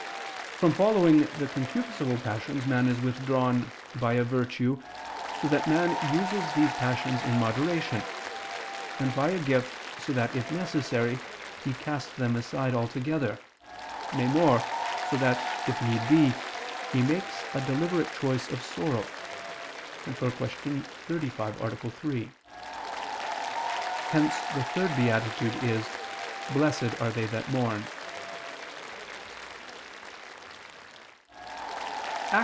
From following the concupiscible passions, man is withdrawn by a virtue, so that man uses these passions in moderation and by a gift, so that, if necessary, he casts them aside altogether; nay more, so that, if need be, he makes a deliberate choice of sorrow [*Cf. Q. 35, A. 3]; hence the third beatitude is: "Blessed are they that mourn."